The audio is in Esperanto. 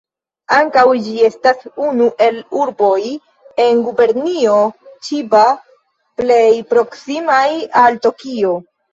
Ankaŭ ĝi estas unu el urboj en Gubernio Ĉiba plej proksimaj al Tokio.